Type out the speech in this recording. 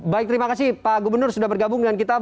baik terima kasih pak gubernur sudah bergabung dengan kita